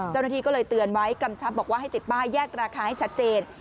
เจ้าหน้าที่ก็เลยเตือนไว้กำชับบอกว่าให้ติดป้ายแยกราคาให้ชัดเจน